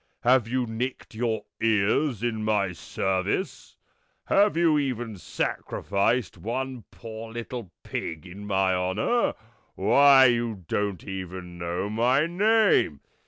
Have you nicked your ears in my service? Have you even sacrificed one poor little pig in my honour? Why, you don't even know my name!"